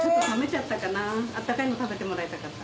あったかいの食べてもらいたかった。